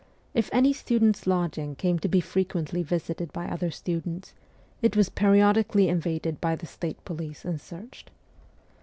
If any student's lodging came to be frequently visited by other students, it was periodically invaded by the state police and searched.